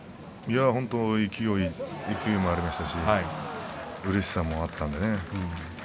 本当に勢いというのもありましたしうれしさもあったのでね。